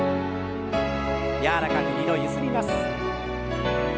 柔らかく２度ゆすります。